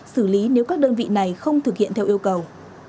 xử lý nếu các đơn vị này không thực hiện theo yêu cầu